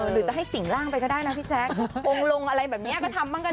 หรือจะให้สิ่งร่างไปก็ได้นะพี่แจ๊คองค์ลงอะไรแบบนี้ก็ทำบ้างก็ได้